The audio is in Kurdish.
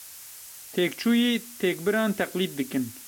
Têkçûyî, têkbiran teqlîd dikin.